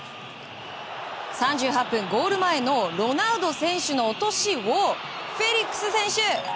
３８分、ゴール前のロナウド選手の落としをフェリックス選手！